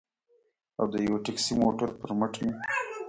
او د یوه ټکسي موټر پر مټ مې.